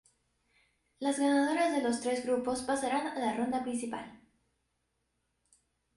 Las ganadoras de los tres grupos pasaran a la ronda principal.